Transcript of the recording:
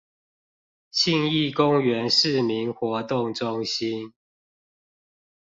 信義公園市民活動中心